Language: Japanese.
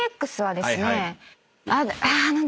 あ何だ？